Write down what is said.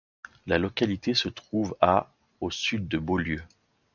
La localité se trouve à au sud de Beaulieu.